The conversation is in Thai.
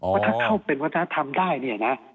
ว่าถ้าเข้าเป็นวัฒนธรรมได้เนี่ยนะ